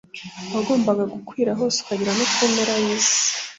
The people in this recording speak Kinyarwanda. wagombaga gukwira hose, ukagera no ku mpera y'isi.